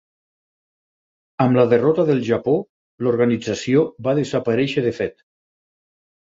Amb la derrota del Japó l'organització va desaparèixer de fet.